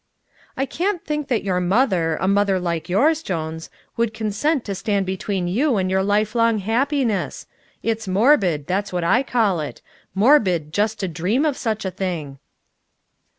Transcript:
"I can't think that your mother a mother like yours, Jones would consent to stand between you and your lifelong happiness. It's morbid that's what I call it morbid, just to dream of such a thing."